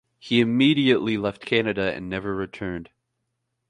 He immediately left Canada and never returned.